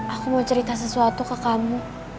aku mau cerita sesuatu ke kamu